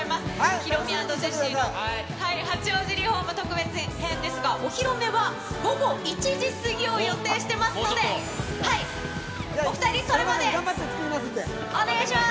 ヒロミ＆ジェシーの八王子リホーム特別編ですが、お披露目は午後１時過ぎを予定してますので、お２人、それまで。